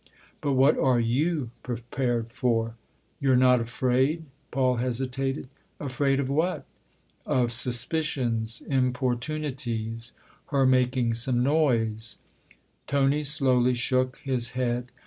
But what are you prepared for ? You're not afraid ?" Paul hesitated. "Afraid of what?" " Of suspicions importunities ; her making some noise." Tony slowly shook his head.